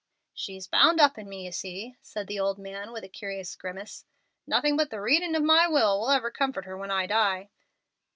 "She's bound up in me, you see," said the old man, with a curious grimace. "Nothing but the reading of my will will ever comfort her when I die."